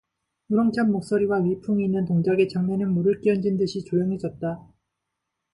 우렁찬 목소리와 위풍이 있는 동작에 장내는 물을 끼얹은 듯이 조용해졌다.